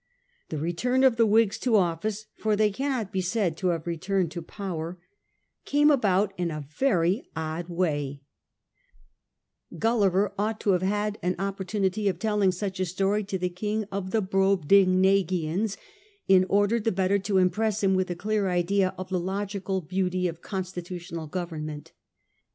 The return of the Whigs to office — for they can not be said to have returned to power — came about 1839 , PETTICOATS AND POLITICS, 131 in & very odd way, Gulliver ought to have had an opportunity of telling such a story to the king of the Brobdingnagians, in order the better to impress him with a clear idea of the logical ''beauty of constitu tional government.